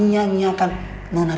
kita harus bersyukur